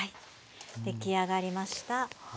出来上がりました。